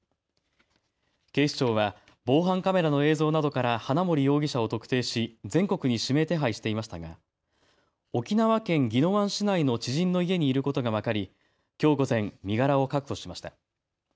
警視庁は防犯カメラの映像などから花森容疑者を特定し全国に指名手配していましたが沖縄県宜野湾市内の知人の家にいることが分かり、きょう午前、身柄を確保しました。